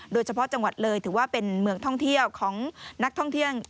โดยเฉพาะจังหวัดเลยถือว่าเป็นเมืองท่องเที่ยวของนักท่องเที่ยว